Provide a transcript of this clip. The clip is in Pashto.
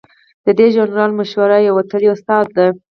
د دې ژورنال مشره یوه وتلې استاده ده.